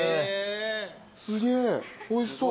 すげえおいしそう。